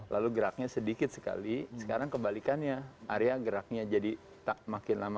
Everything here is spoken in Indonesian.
lalu geraknya sedikit sekali sekarang kebalikannya area geraknya jadi makin lama